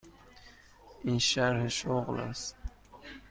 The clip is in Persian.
این شرح شغل است.